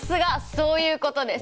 そういうことです！